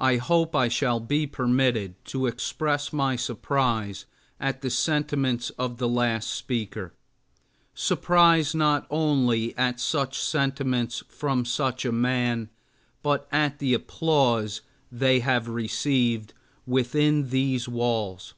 I hope I shall be permitted to express my surprise at the sentiments of the last speaker, surprise not only at such sentiments from such a man, but at the applause they have received within these walls.